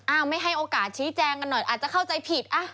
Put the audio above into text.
ไม่ให้โอกาสชี้แจงกันหน่อยอาจจะเข้าใจผิด